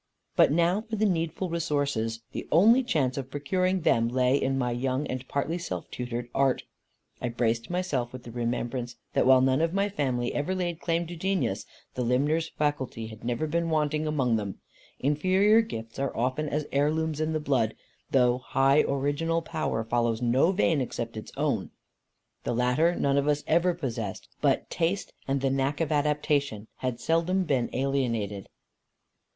But now for the needful resources the only chance of procuring them lay in my young and partly self tutored art. I braced myself with the remembrance, that while none of my family ever laid claim to genius, the limner's faculty had never been wanting among them. Inferior gifts are often as heirlooms in the blood, though high original power follows no vein except its own. The latter none of us ever possessed; but taste and the knack of adaptation had seldom been alienated.